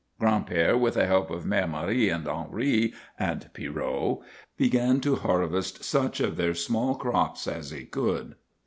Gran'père, with the help of Mère Marie and Henri and Pierrot, began to harvest such of their small crops as he could.